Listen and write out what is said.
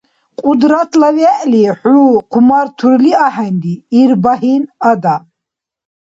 Кьудратла вегӏли хӏу хъумартурли ахӏенри, Ирбагьин–ада...